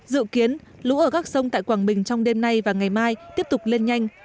dự kiến lũ ở các sông tại quảng bình trong đêm nay và ngày mai tiếp tục lên nhanh